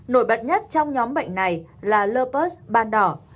nổi bật nhất trong nhóm bệnh này là lopus ban đỏ